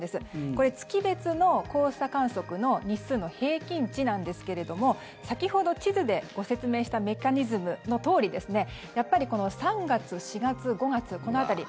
これ、月別の黄砂観測の日数の平均値なんですけれども先ほど、地図でご説明したメカニズムのとおりやっぱり３月、４月、５月この辺り。